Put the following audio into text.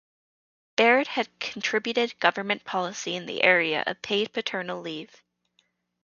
Baird has contributed to government policy in the area of paid parental leave.